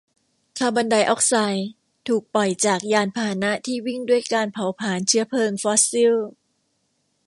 คาร์บอนไดออกไซด์ถูกปล่อยจากยานพาหนะที่วิ่งด้วยการเผาพลาญเชื้อเพลิงฟอสซิล